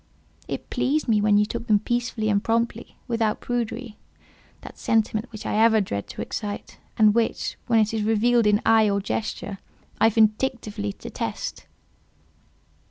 "It pleased me when you took them peacefully and promptly, without prudery—that sentiment which I ever dread to excite, and which, when it is revealed in eye or gesture, I vindictively detest.